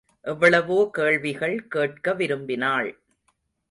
எவ்வளவோ கேள்விகள் கேட்க விரும்பினாள்.